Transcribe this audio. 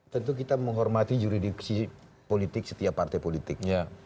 tentu kita menghormati juridiksi politik setiap partai politik